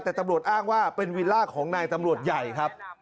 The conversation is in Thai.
แต่ตำรวจอ้างว่าเป็นวิลล่าของนายตำรวจใหญ่ครับ